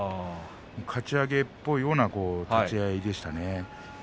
かち上げのような立ち合いでしたね。